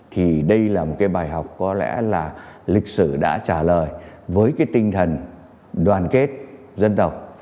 thì đây là một cái bài học có lẽ là lịch sử đã trả lời với cái tinh thần đoàn kết dân tộc